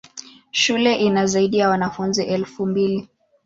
Shule ina zaidi ya wanafunzi elfu mbili.